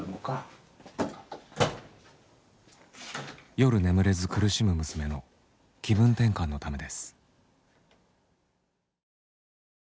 夜眠れず苦しむ娘の気分転換のためです。